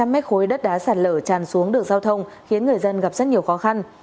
môi đất đá sạt lở tràn xuống được giao thông khiến người dân gặp rất nhiều khó khăn